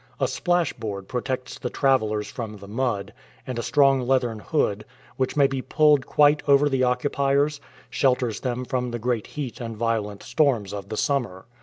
A splash board protects the travelers from the mud, and a strong leathern hood, which may be pulled quite over the occupiers, shelters them from the great heat and violent storms of the summer.